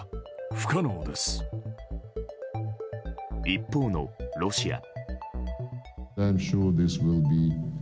一方のロシア。